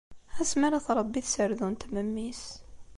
Asmi ara tṛebbi tserdunt memmi-s!